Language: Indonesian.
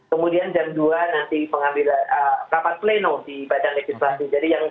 kemudian jam dua nanti pengambilan rapat pleno di badan legislasi